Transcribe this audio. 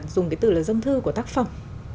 dùng cái từ là dâm thư của tác phẩm